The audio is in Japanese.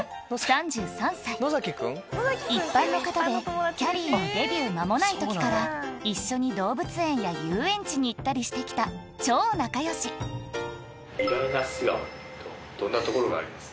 一般の方できゃりーのデビュー間もない時から一緒に動物園や遊園地に行ったりして来た超仲良し意外な素顔どんなところがあります？